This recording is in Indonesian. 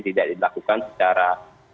tidak dilakukan secara